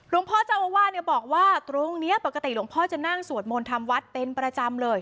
พ่อเจ้าอาวาสเนี่ยบอกว่าตรงนี้ปกติหลวงพ่อจะนั่งสวดมนต์ทำวัดเป็นประจำเลย